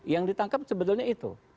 yang ditangkap sebetulnya itu